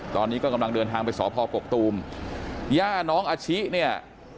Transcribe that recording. ตอนนี้ก็กำลังเดินทางไปสพกกตูมย่าน้องอาชิเนี่ย